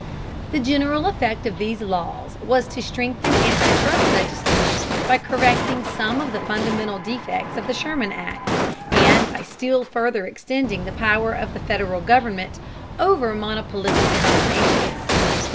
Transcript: The general effect of these laws was to strengthen anti trust legislation by correcting some of the fundamental defects of the Sherman Act, and by still further extending the power of the Federal government over monopolistic combinations.